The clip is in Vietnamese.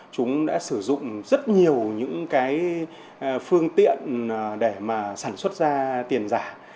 chúng đã sử dụng rất nhiều những phương tiện để sản xuất ra tiền giả